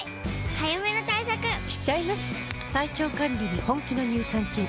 早めの対策しちゃいます。